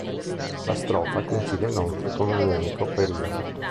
La strofa coincide inoltre con un unico periodo.